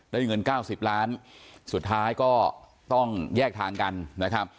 ได้เงิน๙๐ล้านสุดท้ายก็ต้องแยกทางกันนะครับ